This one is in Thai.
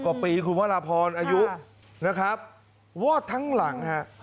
กว่าปีคุณพระราพรอายุนะครับวอดทั้งหลังฮะ